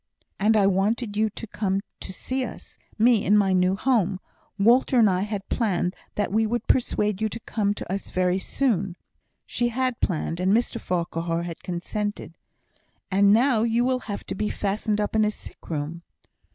"And I wanted you to come to see us me in my new home. Walter and I had planned that we would persuade you to come to us very often" (she had planned, and Mr Farquhar had consented); "and now you will have to be fastened up in a sick room."